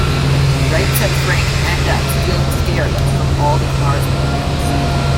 Right Said Frank end up stealing stereos from all the cars parked outside.